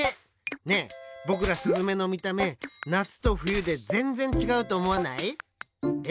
ねえぼくらスズメのみため夏と冬でぜんぜんちがうとおもわない？え？